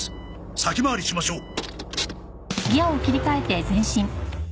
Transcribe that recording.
先回りしましょう。